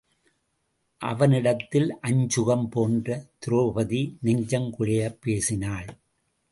அவனிடத்தில் அஞ்சுகம் போன்ற திரெளபதி நெஞ்சங் குழையப் பேசினாள்.